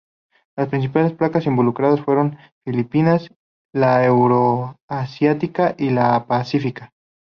Las principales placas involucradas fueron la Filipina, la Euroasiática y la Pacífica.